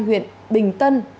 huyện bình tân tỉnh vĩnh hồ chí minh